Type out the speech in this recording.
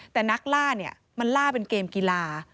แต่นักล่าเนี่ยมันล่าเป็นเกมกีฬา